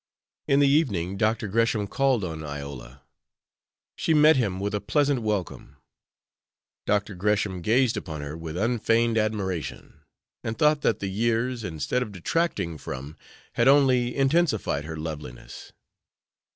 In the evening Dr. Gresham called on Iola. She met him with a pleasant welcome. Dr. Gresham gazed upon her with unfeigned admiration, and thought that the years, instead of detracting from, had only intensified, her loveliness.